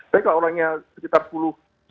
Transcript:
tapi kalau orangnya sekitar sepuluh